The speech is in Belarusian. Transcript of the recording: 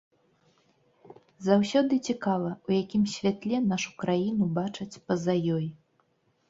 Заўсёды цікава, у якім святле нашу краіну бачаць па-за ёй.